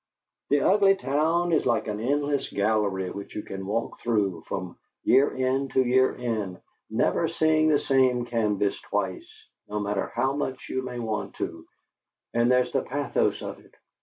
The ugly town is like an endless gallery which you can walk through, from year end to year end, never seeing the same canvas twice, no matter how much you may want to and there's the pathos of it.